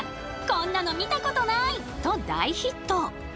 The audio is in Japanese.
「こんなの見たことない！」と大ヒット。